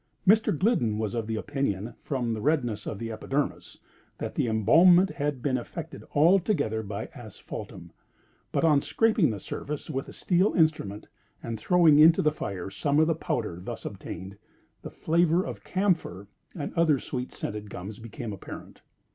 Mr. Gliddon was of opinion, from the redness of the epidermis, that the embalmment had been effected altogether by asphaltum; but, on scraping the surface with a steel instrument, and throwing into the fire some of the powder thus obtained, the flavor of camphor and other sweet scented gums became apparent.